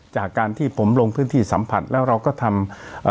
จากการที่ผมลงพื้นที่สัมผัสแล้วเราก็ทำ